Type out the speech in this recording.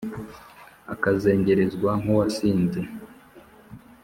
Akazengerezwa nk’uwasinze